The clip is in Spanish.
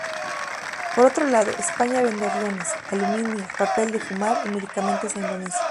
Por otro lado, España vende aviones, aluminio, papel de fumar y medicamentos a Indonesia.